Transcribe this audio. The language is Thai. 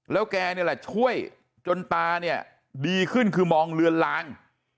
แล้วแกนี่แหละช่วยจนตาเนี่ยดีขึ้นคือมองเลือนลาง